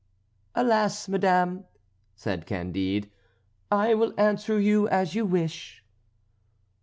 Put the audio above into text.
'" "Alas! madame," said Candide, "I will answer you as you wish."